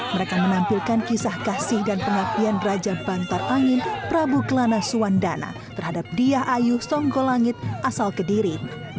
mereka menampilkan kisah kasih dan penyapian raja bantar angin prabu kelana suandana terhadap diyah ayu songgolangit asal kediri